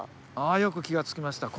あっよく気が付きました。